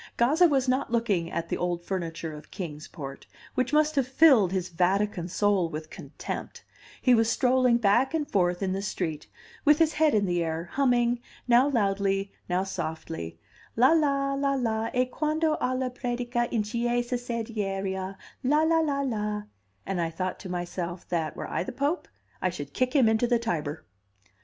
Gazza was not looking at the old furniture of Kings Port, which must have filled his Vatican soul with contempt; he was strolling back and forth in the street, with his head in the air, humming, now loudly, now softly "La la, la la, E quando a la predica in chiesa siederia, la la la la;" and I thought to myself that, were I the Pope, I should kick him into the Tiber.